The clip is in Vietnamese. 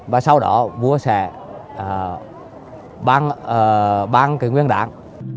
và sau đó vua sẽ ban cái nguyên đán